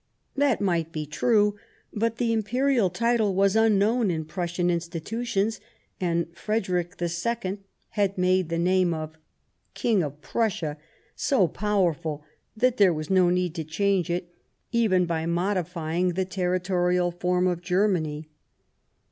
That might be true, but the Imperial title was unknown in Prussian institutions, and Frederick II had made the name of King of Prussia so powerful that there was no need to change it, even by modify ing the territorial form of Germany.